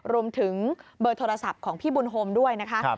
รวมถึงเบอร์โทรศัพท์ของพี่บุญโฮมด้วยนะคะ